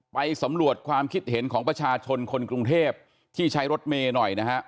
ไปสำรวจความคิดเห็นของประชาชนคนกรุงเทพที่ใช้รถเมย์หน่อยนะฮะ